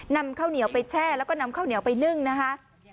นำข้าวเหนียวไปแช่แล้วก็นำข้าวเหนียวไปนึ่งนะคะ